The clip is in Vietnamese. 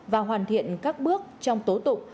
và hoàn thiện các bước trong tố tụng